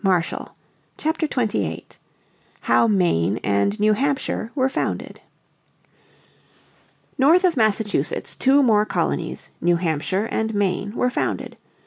__________ Chapter 28 How Maine and New Hampshire Were Founded North of Massachusetts two more colonies, New Hampshire and Maine, were founded.